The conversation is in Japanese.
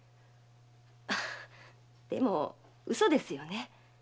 でも嘘ですよね？